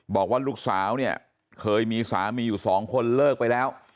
บอกว่าลูกสาวเนี่ยเคยมีสามีอยู่สองคนเลิกไปแล้ว